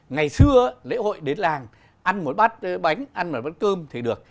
ngày xưa lễ hội đến làng ăn một bát bánh ăn rồi bát cơm thì được